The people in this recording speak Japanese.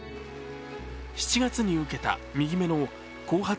７月に受けた右目の後発